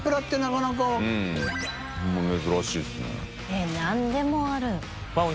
えっ何でもある本当に。